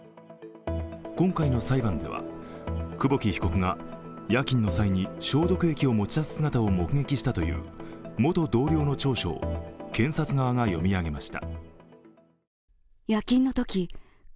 今回の裁判では、久保木被告が夜勤の際に消毒液を持ち出す姿を目撃したという元同僚の調書を検察側が読み上げました。